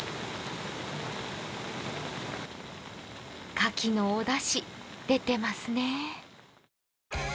牡蠣のおだし、出てますね。